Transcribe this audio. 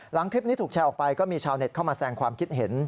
คลิปนี้ถูกแชร์ออกไปก็มีชาวเน็ตเข้ามาแสงความคิดเห็น